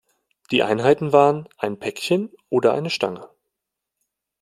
Die Einheiten waren ein Päckchen oder eine Stange.